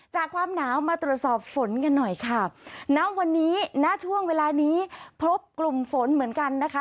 ความหนาวมาตรวจสอบฝนกันหน่อยค่ะณวันนี้ณช่วงเวลานี้พบกลุ่มฝนเหมือนกันนะคะ